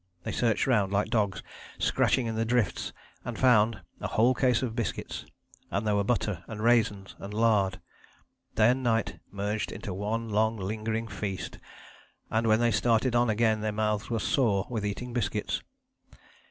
They searched round, like dogs, scratching in the drifts, and found a whole case of biscuits: and there were butter and raisins and lard. Day and night merged into one long lingering feast, and when they started on again their mouths were sore with eating biscuits.